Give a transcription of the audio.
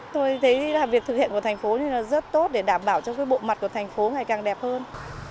tôi thấy là việc thực hiện của thành phố rất tốt để đảm bảo cho bộ mặt của thành phố ngày càng đẹp hơn